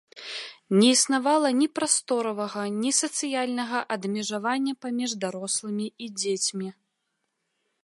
Не існавала ні прасторавага ні сацыяльнага адмежавання паміж дарослымі і дзецьмі.